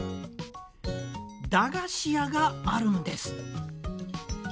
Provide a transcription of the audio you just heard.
駄菓子屋があるんです！